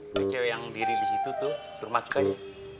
ini cewek yang dirilis itu tuh suruh masuk aja